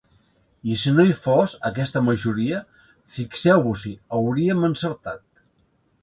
I si no hi fos, aquesta majoria, fixeu-vos-hi: hauríem encertat.